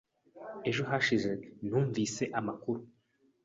Ejo hashize numvise amakuru.